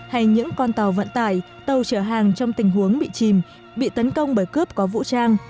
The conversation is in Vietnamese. hay những con tàu vận tải tàu chở hàng trong tình huống bị chìm bị tấn công bởi cướp có vũ trang